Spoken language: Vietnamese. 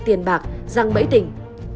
tiền bạc răng bẫy tình